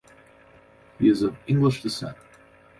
He is of English descent.